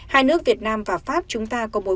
hai nước việt nam và pháp chúng ta có một đời